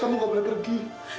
kamu tidak boleh pergi